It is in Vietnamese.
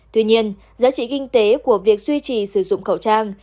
tuy nhiên giá trị kinh tế của việc duy trì sử dụng khẩu trang